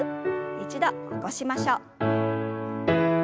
一度起こしましょう。